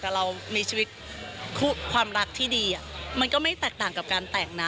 แต่เรามีชีวิตคู่ความรักที่ดีมันก็ไม่แตกต่างกับการแต่งนะ